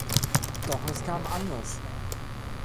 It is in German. Doch es kam anders.